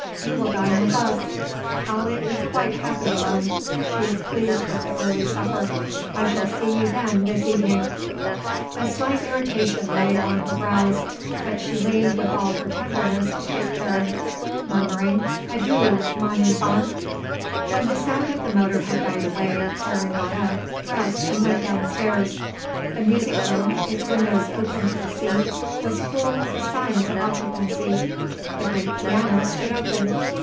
You will dine with us. Tallie is quite happy alone. She is pleased with the early supper. I shall see you, then, this evening." A slight irritation lay on her brows; but she leaned with all her tenderness to kiss Karen, murmuring, "Adieu, mon enfant." When the sound of the motor had died away Karen got up, dressed and went downstairs. The music room, its windows open to the sea, was full of the signs of occupancy. The great piano stood open.